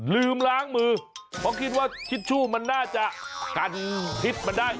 ลืมล้างมือเพราะคิดว่าทิชชู่มันน่าจะกันพิษมันได้